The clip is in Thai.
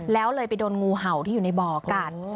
แล้วเลยไปโดนงูเห่าที่อยู่ในบ่อกัด